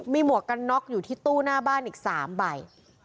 มีหมวกกันน็อกอยู่ที่ตู้หน้าบ้านอีก๓ใบ